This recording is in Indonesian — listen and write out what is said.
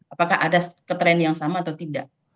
apakah ada ketren yang sama atau tidak